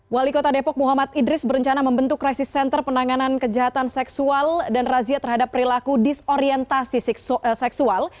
wali kota depok muhammad idris berencana membentuk krisis center penanganan kejahatan seksual dan razia terhadap perilaku disorientasi seksual